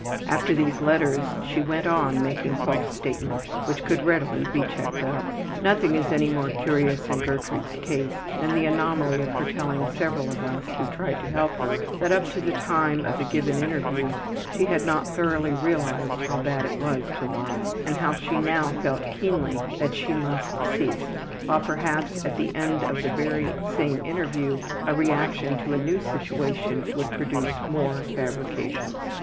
'' After these letters she went on making false statements which could readily be checked up. Nothing is any more curious in Gertrude's case than the anomaly of her telling several of us who tried to help her that up to the time of the given interview she had not thoroughly realized how bad it was to lie, and how she now felt keenly that she must cease, while perhaps at the end of the very same interview a reaction to a new situation would produce more fabrications.